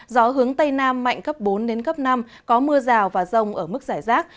gió hướng tây nam mạnh cấp bốn đến cấp năm có mưa rào và rông ở mức giải rác